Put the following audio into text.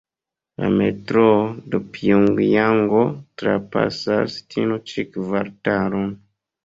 La Metroo de Pjongjango trapasas tiun ĉi kvartalon.